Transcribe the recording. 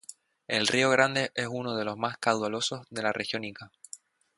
El río Grande es uno de los más caudalosos de la Región Ica.